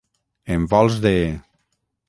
En vols de.